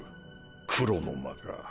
黒の間か。